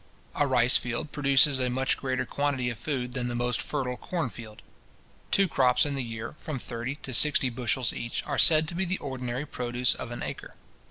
A rice field produces a much greater quantity of food than the most fertile corn field. Two crops in the year, from thirty to sixty bushels each, are said to be the ordinary produce of an acre.